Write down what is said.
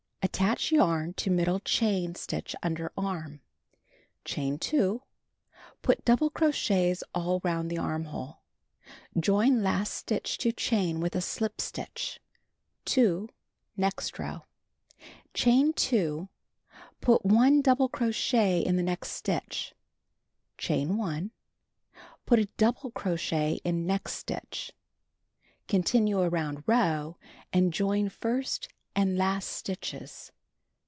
Attach yarn to middle chain stitch underarm. Chain 2. Put double crochets all round the armhole. Join last stitch to chain with a slip stitch. 2. Next row. Chain 2. Put 1 double crochet in the next stitch. Chain 1. Put 1 double crochet in next stitch. Continue around row and join first and last stitches.